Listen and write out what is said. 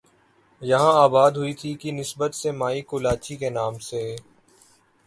یہاں آباد ہوئی تھی کی نسبت سے مائی کولاچی کے نام سے